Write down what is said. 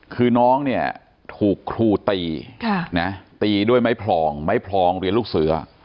คือน้องเนี่ยถูกครูตีตีด้วยไม้พลองไม้พลองเรียนลูกเสือ